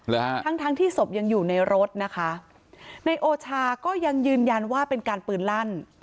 ฮะทั้งทั้งที่ศพยังอยู่ในรถนะคะในโอชาก็ยังยืนยันว่าเป็นการปืนลั่น